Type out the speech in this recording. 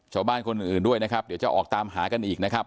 ชาวบ้านคนอื่นด้วยนะครับเดี๋ยวจะออกตามหากันอีกนะครับ